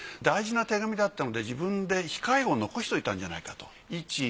大事な手紙だったので自分で控えを残しといたんじゃないかと。